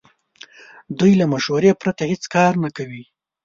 دوی له مشورې پرته هیڅ کار نه کوي.